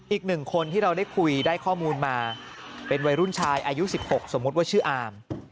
อีกหนึ่งคนที่เราได้คุยได้ข้อมูลมาเป็นวัยรุ่นชายอายุ๑๖สมมุติว่าชื่ออาม